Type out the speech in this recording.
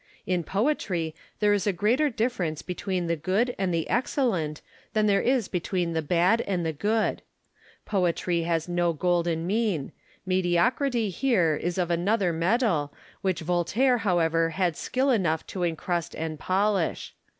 In poetry, there is a greater difi'erence between the good and the excellent than there is between the bad and the good. Poetry has no golden mean ; mediocrity here is of another metal, which Voltaire however had skill enough to encrust and polish.